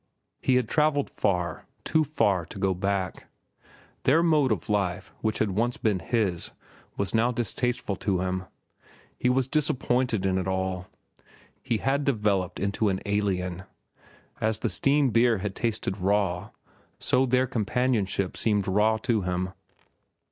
He had travelled far, too far to go back. Their mode of life, which had once been his, was now distasteful to him. He was disappointed in it all. He had developed into an alien. As the steam beer had tasted raw, so their companionship seemed raw to him.